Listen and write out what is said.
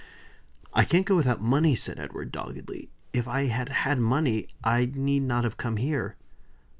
"I can't go without money," said Edward, doggedly. "If I had had money, I need not have come here."